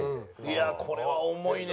いやこれは重いね。